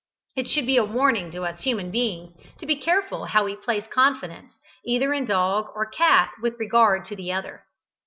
It should be a warning to us human beings to be careful how we place confidence either in dog or cat with regard to the other.